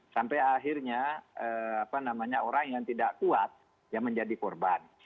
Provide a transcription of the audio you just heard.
sampai akhirnya orang yang tidak kuat ya menjadi korban